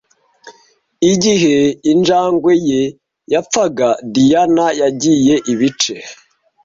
Igihe injangwe ye yapfaga, Diana yagiye ibice.